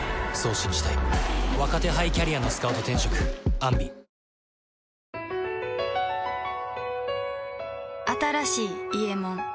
あふっ新しい「伊右衛門」